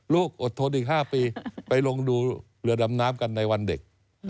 อดทนอีก๕ปีไปลงดูเรือดำน้ำกันในวันเด็ก